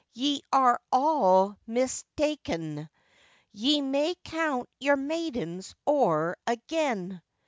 ye are all mista'en, Ye may count your maidens owre again.